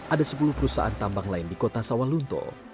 ada sepuluh perusahaan tambang lain di kota sawal lunto